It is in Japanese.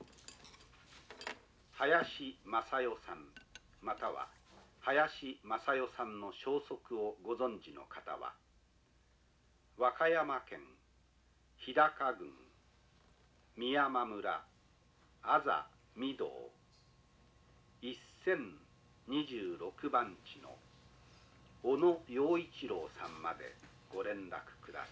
林昌代さんまたは林昌代さんの消息をご存じの方は和歌山県日高郡美山村字御堂１０２６番地の小野陽一郎さんまでご連絡ください」。